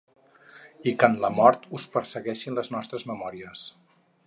I que en la mort us persegueixin les nostres memòries.